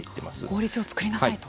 法律を作りなさいと。